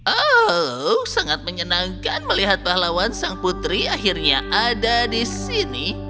oh sangat menyenangkan melihat pahlawan sang putri akhirnya ada di sini